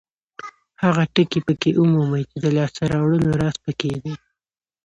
هغه ټکي پکې ومومئ چې د لاسته راوړنو راز پکې دی.